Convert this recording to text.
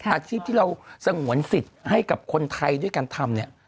อาชีพที่เราสงวนสิทธิ์ให้กับคนไทยด้วยการทำเนี่ย